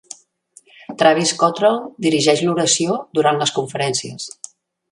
Travis Cottrell dirigeix l'oració durant les conferències.